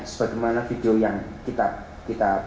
sebagaimana video yang kita